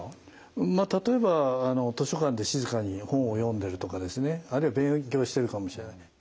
例えば図書館で静かに本を読んでるとかですねあるいは勉強してるかもしれない。